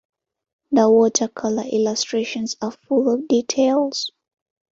The watercolor illustrations are full of details.